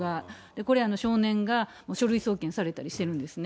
これ、少年が書類送検されたりしてるんですね。